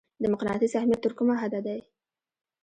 د مقناطیس اهمیت تر کومه حده دی؟